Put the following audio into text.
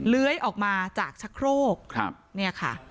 เลื้อยออกมาจากชะโครกเนี่ยค่ะ